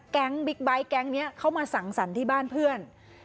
บิ๊กไบท์แก๊งนี้เข้ามาสั่งสรรค์ที่บ้านเพื่อน